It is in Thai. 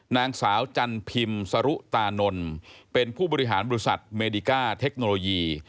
นางสาวจันพิมพ์สรุตานนเป็นผู้บริหารบริษัทเมดิก้าเทคโนโลยี